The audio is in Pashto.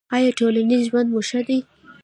ایا ټولنیز ژوند مو ښه دی؟